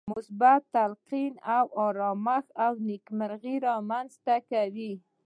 مثبت تلقين ارامتيا او نېکمرغي رامنځته کوي.